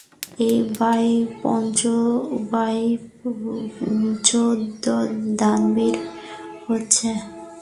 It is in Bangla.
এই বাইঞ্চোদ দানবীর হচ্ছে।